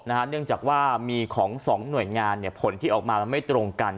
เนื่องจากว่ามีของ๒หน่วยงานผลที่ออกมามันไม่ตรงกัน